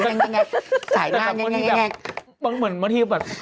บางทีเข้าใจแล้วนะว่าเขาจะนุ่มต้องเดินรถ